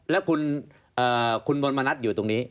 แล้วคุณมณมณัฐอยู่ตรงนี้